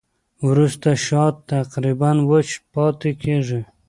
وروسته شات تقریباً وچ پاتې کېږي.